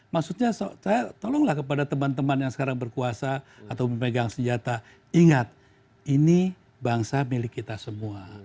maksudnya saya tolonglah kepada teman teman yang sekarang berkuasa atau memegang senjata ingat ini bangsa milik kita semua